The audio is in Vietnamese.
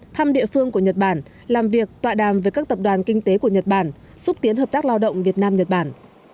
thăm địa phương của nhật bản làm việc tọa đàm với các tập đoàn kinh tế của nhật bản xúc tiến hợp tác lao động việt nam nhật bản